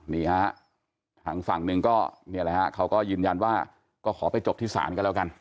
นี่ฮะทางฝั่งหนึ่งก็เนี่ยแหละฮะเขาก็ยืนยันว่าก็ขอไปจบที่ศาลก็แล้วกัน